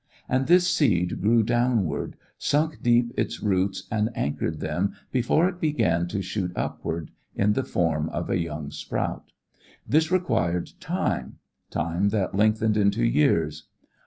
And this seed grew downward, sunk deep its roots and anchored them before it began to shoot upward in the form of a young sprout. This required time, time that lengthened into years.